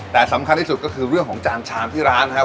แต่สำคัญที่สุดก็คือเรื่องของจานชามที่ร้านนะครับ